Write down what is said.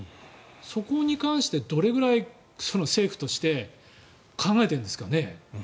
そこに関してどれくらい政府として考えてるんですかね。